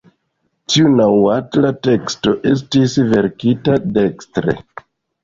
Tiu naŭatla teksto estis verkita dekstre.